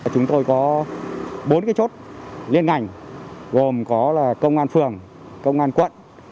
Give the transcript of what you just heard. chúng tôi có bốn cái chốt liên ngành gồm có là công an phường công an quận